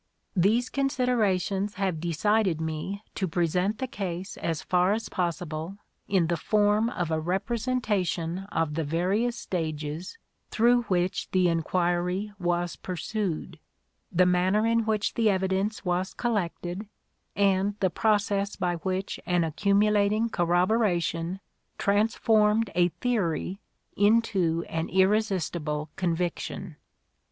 These considerations have decided me to present the case as far as possible in the form of a representation of the various stages through which the enquiry was pursued, the manner in which the evidence was collected, and the process by which an accumulating corroboration transformed a theory into an irresistible conviction.